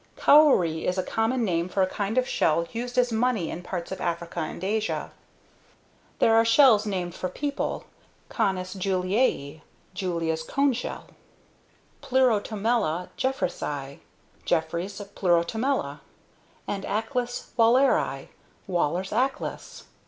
(Cowrie is a common name for a kind of shell used as money in parts of Africa and Asia.) There are shells named for people: CONUS JULIAE ("Julia's cone shell"), PLEUROTOMELLA JEFFREYSII ("Jeffrey's Pleurotomella"), and ACLIS WALLERI ("Waller's Aclis").